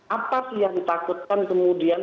apa sih yang ditakutkan kemudian